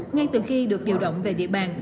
ngay từ khi được điều động về địa bàn